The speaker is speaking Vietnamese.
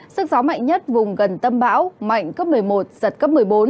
sức gió mạnh nhất vùng gần tâm bão mạnh cấp một mươi một giật cấp một mươi bốn